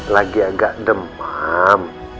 lagi agak demam